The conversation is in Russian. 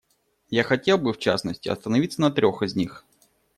Я хотел бы, в частности, остановиться на трех из них.